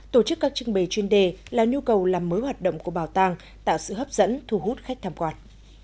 tổ chức các trưng bày chuyên đề là nhu cầu làm mới hoạt động của bảo tàng tạo sự hấp dẫn thu hút khách tham quan